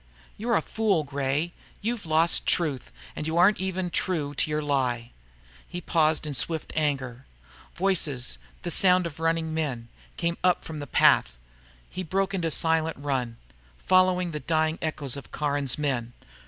"You're a fool, Gray. You've lost truth and you aren't even true to your lie." He paused, in swift anger. Voices the sound of running men, came up from the path. He broke into a silent run, following the dying echoes of Caron's men.